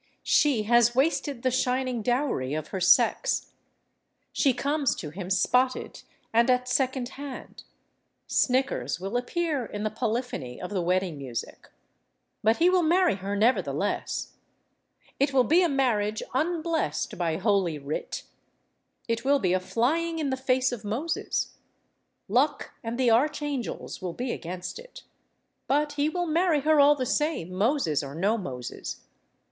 She has wasted the shining dowry of her sex; she comes to him spotted and at second hand; snickers will appear in the polyphony of the wedding music—but he will marry her nevertheless. It will be a marriage unblessed by Holy Writ; it will be a flying in the face of Moses; luck and the archangels will be against it—but he will marry her all the same, Moses or no Moses.